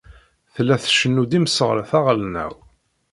Tella tcennu-d imseɣret aɣelnaw.